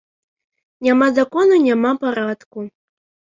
Няма закону, няма парадку.